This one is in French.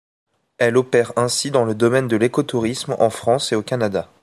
Elle opère ainsi dans le domaine de l’écotourisme en France et au Canada.